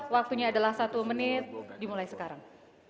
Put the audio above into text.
waktunya adalah satu menit dimulai sekarang